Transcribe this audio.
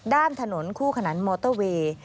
ด้านถนนคู่ขนานมอเตอร์เวย์